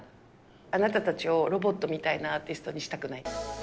あなたたちをロボットみたいなアーティストにしたくない。